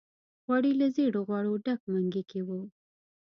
غوړي له زېړو غوړو ډک منګي کې وو.